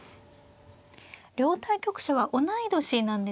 両対局者は同い年なんですね。